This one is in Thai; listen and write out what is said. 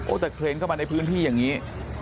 แต่เครนเข้ามาในพื้นที่อย่างนี้